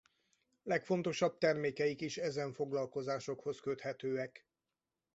Legfontosabb termékeik is ezen foglalkozásokhoz köthetőek.